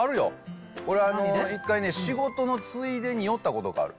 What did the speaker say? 俺、一回ね、仕事のついでに寄ったことがある。